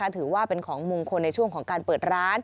ถือว่าเป็นของมงคลในช่วงของการเปิดร้าน